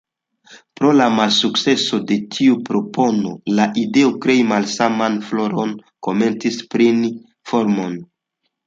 Pro la malsukceso de tiu propono, la ideo krei malsaman floron komencis preni formon.